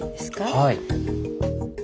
はい。